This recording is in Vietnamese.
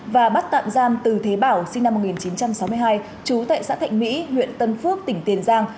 và bắt tạm giam từ thế bảo sinh năm một nghìn chín trăm sáu mươi hai chú tại xã thạnh mỹ huyện tân phước tỉnh tiền giang